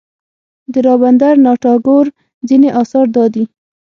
د رابندر ناته ټاګور ځینې اثار دادي.